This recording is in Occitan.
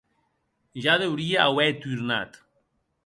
Ja deuerie auer tornat.